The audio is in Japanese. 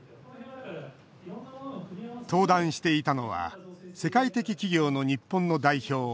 登壇していたのは世界的企業の日本の代表